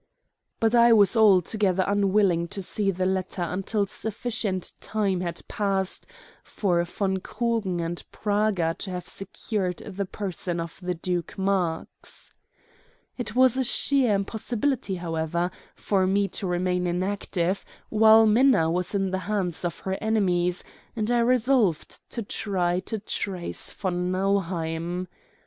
But I was altogether unwilling to see the latter until sufficient time had passed for von Krugen and Praga to have secured the person of the Duke Marx. It was a sheer impossibility, however, for me to remain inactive while Minna was in the hands of her enemies, and I resolved to try to trace von Nauheim.